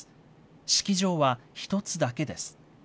式場は１つだけです。